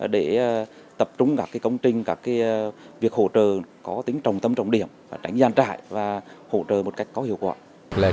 để tập trung các công trình các việc hỗ trợ có tính trồng tâm trọng điểm tránh gian trại và hỗ trợ một cách có hiệu quả